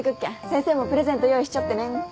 先生もプレゼント用意しちょってね。